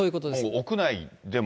屋内でも。